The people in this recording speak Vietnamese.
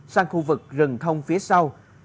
sang khu vực rừng thông phía sau